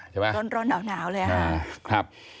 ใช่ไหมครับครับ